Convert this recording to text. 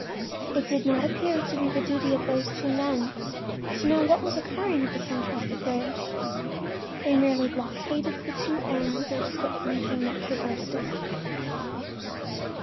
It did not appear to be the duty of these two men to know what was occurring at the center of the bridge; they merely blockaded the two ends of the foot planking that traversed it.